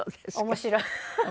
面白い。